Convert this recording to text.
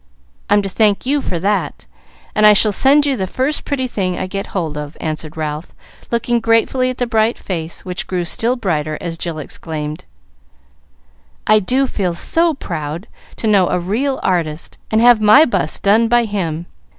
I'm to thank you for that, and I shall send you the first pretty thing I get hold of," answered Ralph, looking gratefully at the bright face, which grew still brighter as Jill exclaimed, "I do feel so proud to know a real artist, and have my bust done by him.